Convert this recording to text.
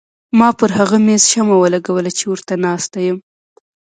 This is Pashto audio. ما پر هغه مېز شمه ولګوله چې ورته ناسته یم.